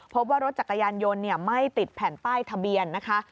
พบว่ารถจักรยานยนต์ไม่ติดแผ่นป้ายทะเบียนนะคะ